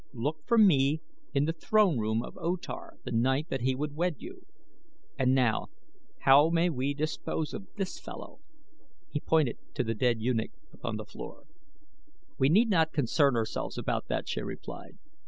Look for me in the throne room of O Tar the night that he would wed you. And now, how may we dispose of this fellow?" He pointed to the dead eunuch upon the floor. "We need not concern ourselves about that," she replied.